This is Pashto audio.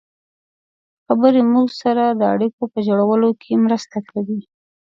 خبرې موږ سره د اړیکو په جوړولو کې مرسته کوي.